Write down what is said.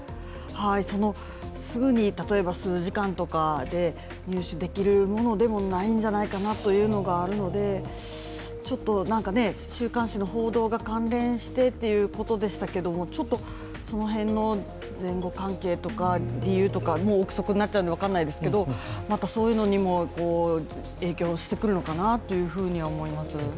そのすぐに数時間とかで入手できるものでもないんじゃないかなというものなので週刊誌の報道が関連してということでしたけども、その辺の前後関係とか理由とか臆測になってしまうので分からないですけどまたそういうのにも影響してくるのかなというふうにも思います。